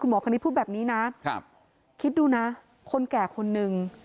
หมอคณิตพูดแบบนี้นะคิดดูนะคนแก่คนนึง